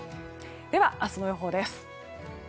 では、明日の予報です。